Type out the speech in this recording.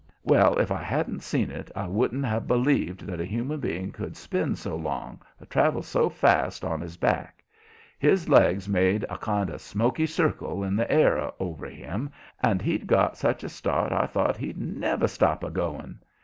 Well, if I hadn't seen it, I wouldn't have b'lieved that a human being could spin so long or travel so fast on his back. His legs made a kind of smoky circle in the air over him, and he'd got such a start I thought he'd NEVER STOP a going.